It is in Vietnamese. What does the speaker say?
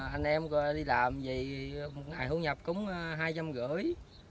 anh em đi làm gì một ngày hữu nhập cũng hai trăm rưỡi